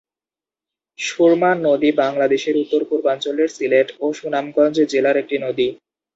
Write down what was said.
সুরমা নদী বাংলাদেশের উত্তর-পূর্বাঞ্চলের সিলেট ও সুনামগঞ্জ জেলার একটি নদী।